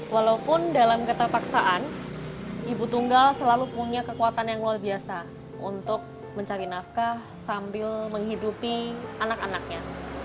walaupun dalam keterpaksaan ibu tunggal selalu punya kekuatan yang luar biasa untuk mencari nafkah sambil menghidupi anak anaknya